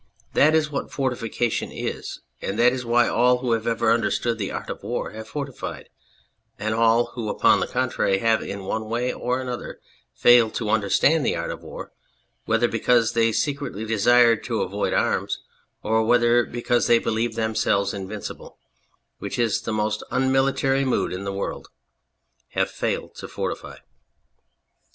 That is what fortification is, and that is why all who have ever understood the art of war have fortified ; and all who, upon the contrary, have in one way or another failed to understand the art of war, whether because they secretly desired to avoid arms or whether because they believed them selves invincible (which is the most unmilitary mood in the world !) have failed to fortify."